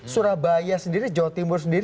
surabaya sendiri jawa timur sendiri